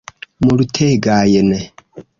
Multegajn!